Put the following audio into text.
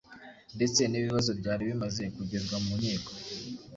ndetse n'ibibazo byari bimaze kugezwa mu nkiko